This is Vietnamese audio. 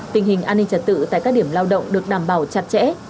tình hình an ninh trật tự tại các điểm lao động được đảm bảo chặt chẽ